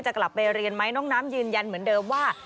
กลับไปเรียนไหมน้องน้ำยืนยันเหมือนเดิมว่า